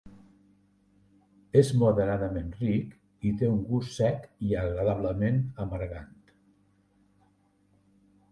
És moderadament ric, i té un gust sec i agradablement amargant.